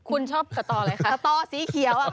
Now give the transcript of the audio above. คุณชอบสตออะไรคะ